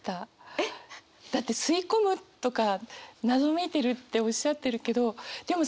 えっ？だって「吸い込む」とか「謎めいてる」っておっしゃってるけどでも